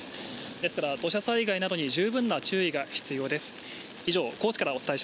ですから土砂災害などに十分な注意が必要です。